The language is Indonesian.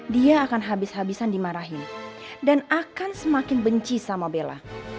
dia akan habis habisan dimarahin dan akan semakin benci sama bella